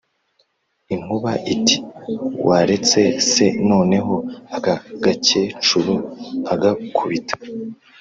inkuba iti:” waretse se noneho aka gakecuru nkagakubita?”